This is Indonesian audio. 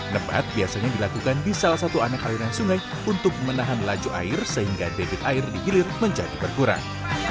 nebat biasanya dilakukan di salah satu anak aliran sungai untuk menahan laju air sehingga debit air di hilir menjadi berkurang